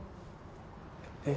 えっ？